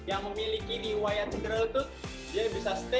yang memiliki riwayat jerawat dia bisa stay turun